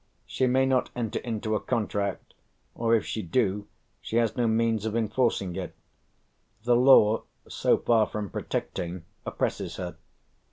She may not enter into a contract, or if she do, she has no means of enforcing it. The law, so far from protecting, oppresses her.